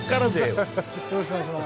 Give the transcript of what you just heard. よろしくお願いします。